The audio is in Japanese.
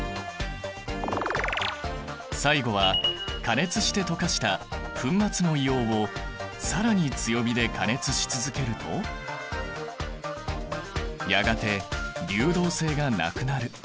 最後は加熱して溶かした粉末の硫黄を更に強火で加熱し続けるとやがて流動性がなくなる。